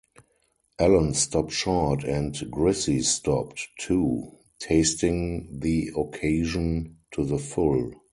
Ellen stopped short and Grissie stopped, too, tasting the occasion to the full.